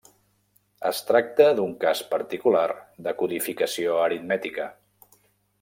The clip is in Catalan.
Es tracta d'un cas particular de codificació aritmètica.